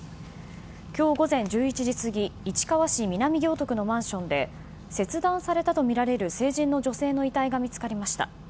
今日午前１１時過ぎ市川市南行徳のマンションで切断されたとみられる成人の女性の遺体が見つかりました。